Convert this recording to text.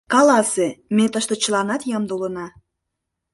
— Каласе: ме тыште чыланат ямде улына.